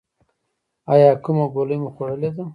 ایا کومه ګولۍ مو خوړلې ده؟